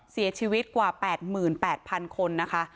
เสียชีวิตกว่า๘๘๐๐๐คนนะคะ